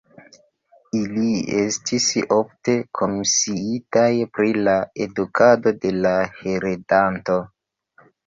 Ili estis ofte komisiitaj pri la edukado de la heredanto.